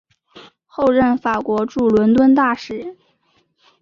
后任法国驻伦敦大使。